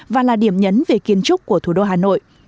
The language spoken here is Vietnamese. và là điểm nhấn về kiến trúc của thủ đô hà nội